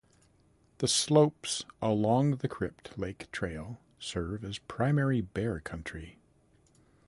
The slopes along the Crypt Lake Trail serve as primary bear country.